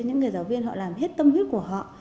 những người giáo viên họ làm hết tâm huyết của họ